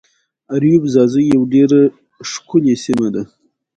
ازادي راډیو د د انتخاباتو بهیر په اړه پرله پسې خبرونه خپاره کړي.